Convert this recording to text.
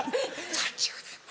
３０年前。